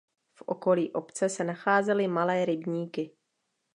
V okolí obce se nacházely malé rybníky.